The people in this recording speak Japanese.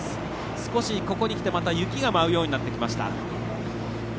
少し、ここにきて雪が舞うようになってきました。